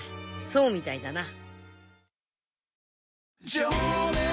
そうみたいだな。